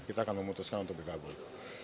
kita akan memutuskan untuk bergabung